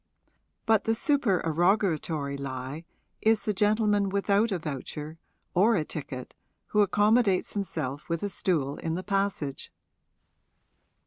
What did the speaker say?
But the supererogatory lie is the gentleman without a voucher or a ticket who accommodates himself with a stool in the passage.